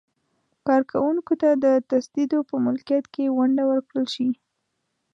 کارکوونکو ته د تصدیو په ملکیت کې ونډه ورکړل شي.